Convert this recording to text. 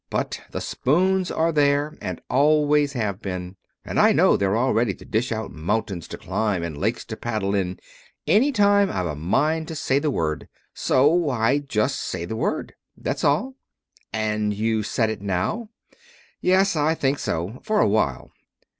But the spoons are there, and always have been; and I know they're all ready to dish out mountains to climb and lakes to paddle in, any time I've a mind to say the word. So I just say the word. That's all." "And you've said it now?" "Yes, I think so; for a while."